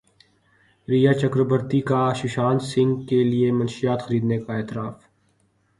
ریا چکربورتی کا سشانت سنگھ کے لیے منشیات خریدنے کا اعتراف